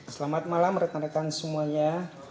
selamat malam rekan rekan semuanya